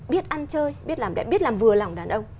biết ăn chơi biết làm đã biết làm vừa lòng đàn ông